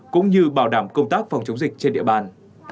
cũng như bảo đảm công tác phòng chống dịch trên địa bàn